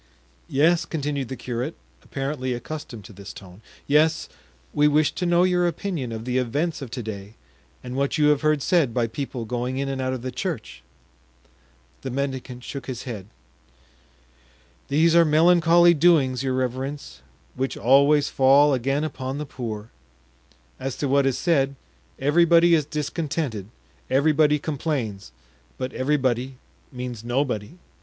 "Yes," continued the curate, apparently accustomed to this tone, "yes, we wish to know your opinion of the events of to day and what you have heard said by people going in and out of the church." The mendicant shook his head. "These are melancholy doings, your reverence, which always fall again upon the poor. As to what is said, everybody is discontented, everybody complains, but 'everybody' means 'nobody.